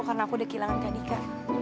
karena aku udah kehilangan kak dika